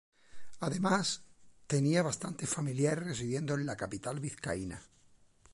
Además, tenía bastantes familiares residiendo en la capital vizcaína.